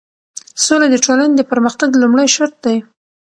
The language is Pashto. سوله د ټولنې د پرمختګ لومړی شرط دی.